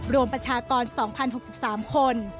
ประชากร๒๐๖๓คน